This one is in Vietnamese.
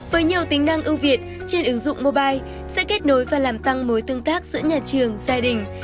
với nhiều tính năng ưu việt trên ứng dụng mobile sẽ kết nối và làm tăng mối tương tác giữa nhà trường gia đình